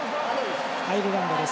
アイルランドです。